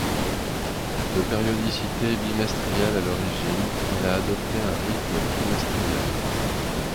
De périodicité bimestrielle à l'origine, elle a adopté un rythme trimestriel.